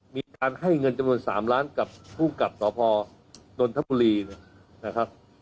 มีการให้เงินจำนวน๓ล้านกับภูมิกับสพนนทบุรีนะครับ